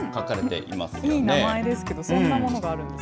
いい名前ですけれども、そんなものがあるんです？